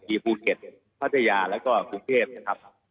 ภูเก็ตพัทยาแล้วก็กรุงเทพนะครับ